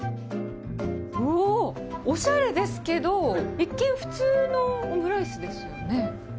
おー、おしゃれですけど、一見、普通のオムライスですよね。